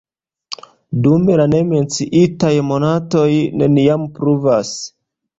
Dum la ne menciitaj monatoj neniam pluvas.